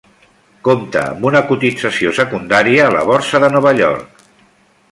Compta amb una cotització secundària a la Borsa de Nova York.